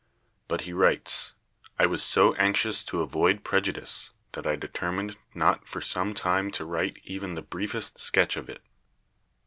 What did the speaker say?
But he writes, "I was so anxious to avoid prejudice that I determined not for some time to write even the briefest sketch of it.